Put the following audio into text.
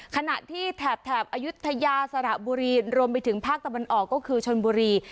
ขณะที่แถบอายุทยาสระบุรีรวมไปถึงภาคตะวันออกก็คือชนบุรี